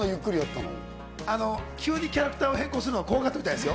急にキャラクター変更するのは怖かったみたいですよ。